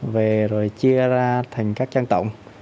về rồi chia ra thành các trang tổng